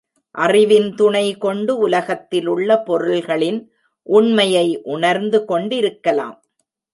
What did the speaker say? அறிவின் துணை கொண்டு உலகத்திலுள்ள பொருள்களின் உண்மையை உணர்ந்து கொண்டிருக்கலாம்.